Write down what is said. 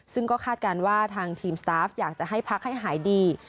ซึ่งก็คาดการณ์ว่าทางทีมสตาฟอยากจะให้พักให้หายดี